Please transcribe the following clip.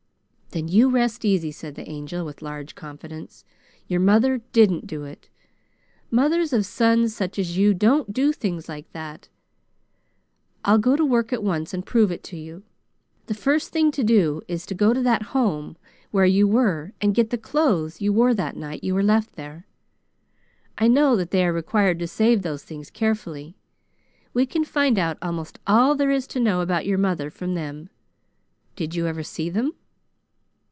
"Then you rest easy," said the Angel, with large confidence. "Your mother didn't do it! Mothers of sons such as you don't do things like that. I'll go to work at once and prove it to you. The first thing to do is to go to that Home where you were and get the clothes you wore the night you were left there. I know that they are required to save those things carefully. We can find out almost all there is to know about your mother from them. Did you ever see them?"